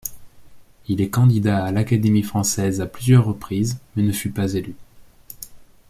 Il est candidat à l'Académie française à plusieurs reprises mais ne fut pas élu.